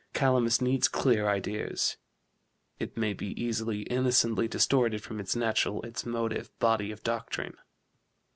Calamus needs clear ideas; it may be easily, innocently distorted from its natural, its motive, body of doctrine."